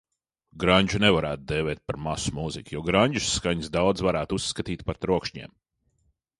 Grandžu nevarētu dēvēt par masu mūziku, jo grandža skaņas daudzi varētu uzskatīt par trokšņiem.